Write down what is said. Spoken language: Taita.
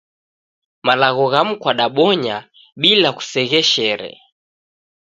Malagho ghamu kwadabonya bila kusegheshere